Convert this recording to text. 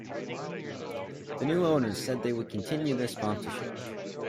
The new owners said that they would continue their sponsorship.